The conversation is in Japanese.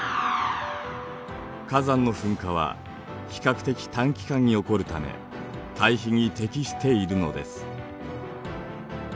火山の噴火は比較的短期間に起こるため対比に適しているのです。